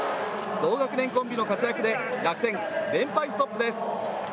同学年コンビの活躍で楽天、連敗ストップです。